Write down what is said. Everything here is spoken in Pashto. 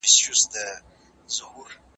زلمي په جنګ، بوډا د قبر په کیندلو لګیا